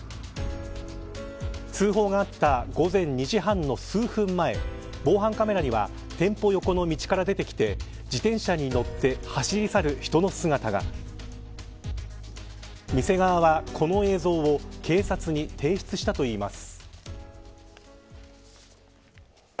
通報があった午前２時半の数分前防犯カメラには店舗横の道から出てきて自転車に乗って走り去る人の姿が店側は、この映像を警察に提出したといいます。